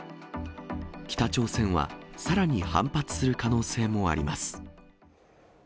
北朝鮮は、さらに反発する可能性もあります。